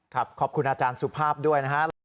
ครับขอบคุณอาจารย์สุภาพด้วยนะฮะ